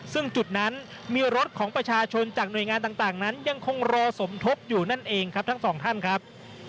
ซึ่งจุดนั้นมีรถของประชาชนจากหน่วยงานต่างนั้นยังคงรอสมทบอยู่นั่นเองครับทั้งสองท่านครับ